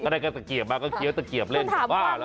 ก็ได้ตะเกียบมาก็เกี๊ยวตะเกียบเล่นกันบ้างแล้ว